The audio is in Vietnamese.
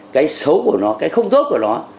cái xấu của nó cái không tốt của nó